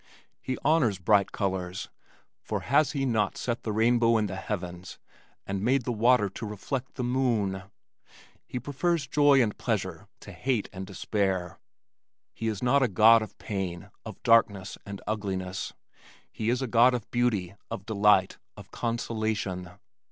He honors bright colors, for has he not set the rainbow in the heavens and made water to reflect the moon? He prefers joy and pleasure to hate and despair. He is not a God of pain, of darkness and ugliness, he is a God of beauty, of delight, of consolation."